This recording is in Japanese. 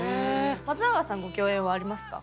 松永さんご共演はありますか？